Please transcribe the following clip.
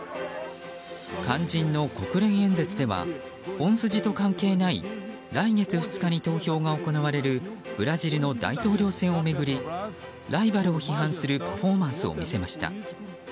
肝心の国連演説では本筋と関係ない来月２日に投票が行われるブラジルの大統領選を巡りライバルを批判するパフォーマンスを見せました。